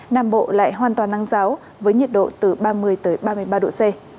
nam bộ lại hoàn toàn nắng giáo với nhiệt độ từ ba mươi ba mươi ba độ c